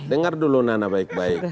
dengar dulu nana baik baik